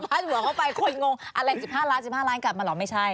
ถ้าเหลือเข้าไปคนงงอะไร๑๕ล้าน๑๕ล้านกลับมาเหรอไม่ใช่